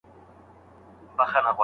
لارښود د څېړني په اړه څه وویل؟